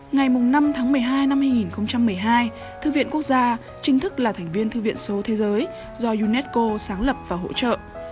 ngày năm tháng một mươi hai năm hai nghìn một mươi hai thư viện quốc gia chính thức là thành viên thư viện số thế giới do unesco sáng lập và hỗ trợ